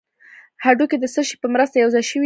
هډوکي د څه شي په مرسته یو ځای شوي دي